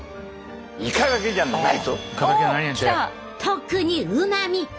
特にうまみ！